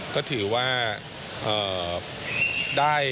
ก็ถือว่า